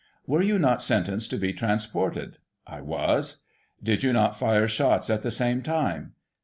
Were you not sentenced to be transported ?— I was. Did you not fire shots at the same time